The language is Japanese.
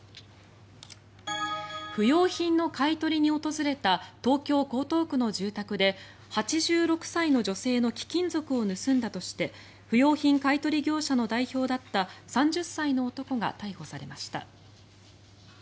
不用品の買い取りに訪れた東京・江東区の住宅で８６歳の女性の貴金属を盗んだとして不用品買い取り業者の代表だった３０歳の男が逮捕されました。